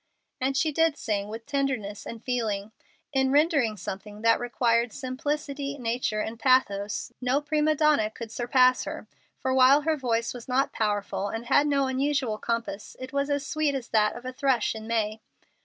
And she did sing with tenderness and feeling. In rendering something that required simplicity, nature, and pathos, no prima donna could surpass her, for while her voice was not powerful, and had no unusual compass, it was as sweet as that of a thrush in May.